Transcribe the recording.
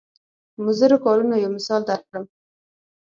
مضرو کارونو یو مثال درکړم.